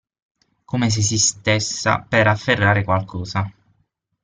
Come se si stessa per afferrare qualcosa.